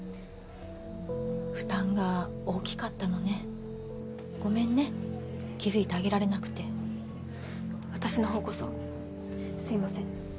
負担が大きかったのねごめんね気づいてあげられなくて私の方こそすいません